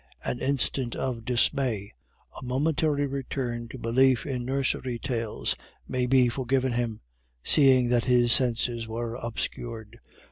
An instant of dismay, a momentary return to belief in nursery tales, may be forgiven him, seeing that his senses were obscured.